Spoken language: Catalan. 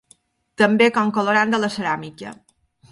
També com colorant de la ceràmica.